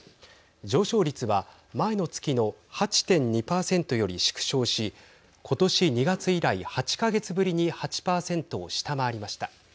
上昇率は前の月の８．２％より縮小し今年２月以来、８か月ぶりに８％を下回りました。